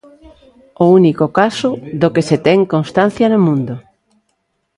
O único caso do que se ten constancia no mundo.